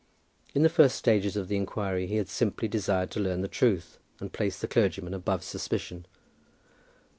In the first stages of the inquiry he had simply desired to learn the truth, and place the clergyman above suspicion.